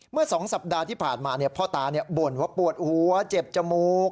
เมื่อสองสัปดาห์ที่ผ่านมาเนี่ยพ่อตาเนี่ยบ่นว่าปวดหัวเจ็บจมูก